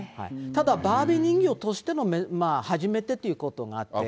ただ、バービー人形としての初めてっていうことがあって。